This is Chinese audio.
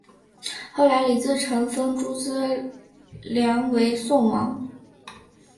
后来李自成封朱慈烺为宋王。